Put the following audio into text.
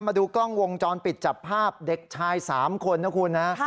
มาดูกล้องวงจรปิดจับภาพเด็กชาย๓คนนะคุณนะ